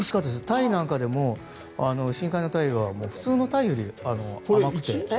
タイなんかでも深海のタイは普通のタイより甘くて。